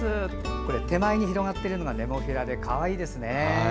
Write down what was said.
これ、手前に広がっているのがネモフィラでかわいいですね。